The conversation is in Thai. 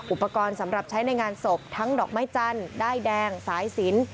อุปกรณ์สำหรับใช้ในงานศพทั้งดอกไม้จันทร์ด้ายแดงสายสิน